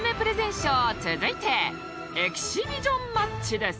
ショー続いてエキシビジョンマッチです